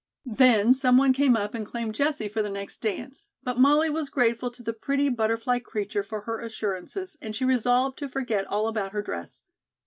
Then someone came up and claimed Jessie for the next dance, but Molly was grateful to the pretty butterfly creature for her assurances and she resolved to forget all about her dress.